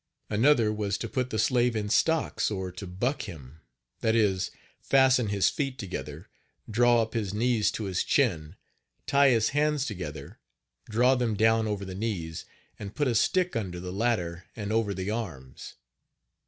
Another was to put the slave in stocks, or to buck him, that is, fasten his feet together, draw up his knees to his chin, tie his hands together, draw them down over the knees, and put a stick under the latter and over the arms.